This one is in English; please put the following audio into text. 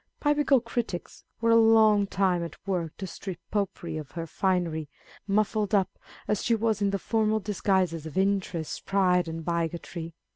Biblical critics were a long time at work to strip Popery of her finery, muffled up as she was in the formal disguises of interest, pride, and bigotry.